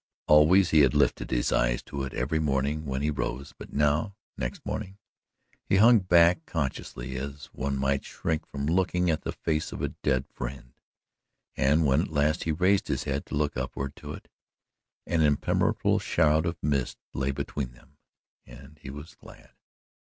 Always he had lifted his eyes to it every morning when he rose, but now, next morning, he hung back consciously as one might shrink from looking at the face of a dead friend, and when at last he raised his head to look upward to it, an impenetrable shroud of mist lay between them and he was glad.